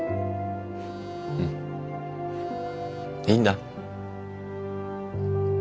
いいんだ。